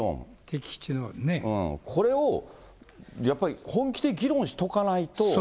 これを本気で議論しておかないと。